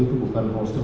itu bukan holster